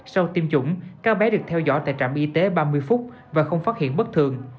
sau tiêm chủng các bé được theo dõi tại trạm y tế ba mươi phút và không phát hiện bất thường